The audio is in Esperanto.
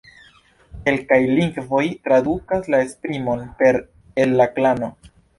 Kelkaj lingvoj tradukas la esprimon per "el la klano".